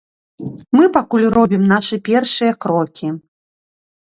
Мы пакуль робім нашы першыя крокі.